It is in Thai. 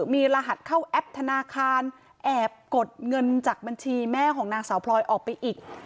มีรหัสเข้าแอปธนาคารแอบกดเงินจากบัญชีแม่ของนางสาวพลอยออกไปอีก